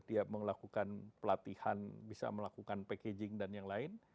dia melakukan pelatihan bisa melakukan packaging dan yang lain